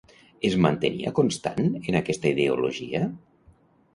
Es mantenia constant en aquesta ideologia?